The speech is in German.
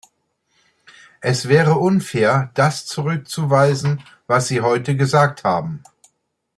Es wäre unfair, das zurückzuweisen, was Sie heute gesagt haben.